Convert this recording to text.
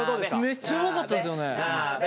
めっちゃうまかったですよね。